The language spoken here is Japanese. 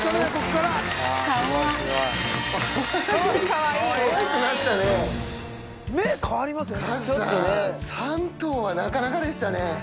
かずさん、３頭はなかなかでしたね。